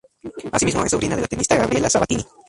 Asimismo, es sobrina de la tenista Gabriela Sabatini.